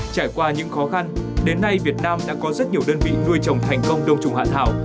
trải qua những khó khăn đến nay việt nam đã có rất nhiều đơn vị nuôi trồng thành công đông trùng hạ thảo